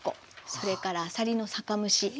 それからあさりの酒蒸し。